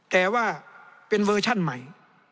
แต่ว่าเป็นเวอร์ชั่นใหม่